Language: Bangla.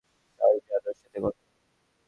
স্যার, যান, ওর সাথে কথা বলে দেখুন।